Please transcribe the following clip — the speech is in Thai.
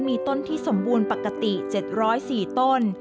มีต้นที่สมบูรณ์ปกติ๗๐๔ต้น